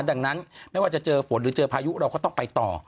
ดังนั้นไม่ว่าจะเจอฝนหรือเจอพายุเราก็ต้องไปต่อ